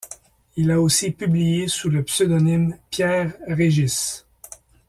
Il a aussi publié sous le pseudonyme Pierre Régis.